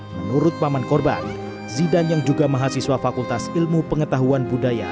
menurut paman korban zidan yang juga mahasiswa fakultas ilmu pengetahuan budaya